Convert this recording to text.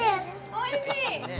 おいしい？